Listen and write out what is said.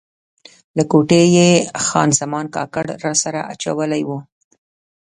له کوټې یې خان زمان کاکړ راسره اچولی و.